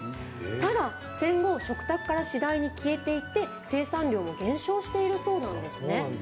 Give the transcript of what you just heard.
ただ、戦後食卓からしだいに消えていって生産量も減少しているそうなんですね。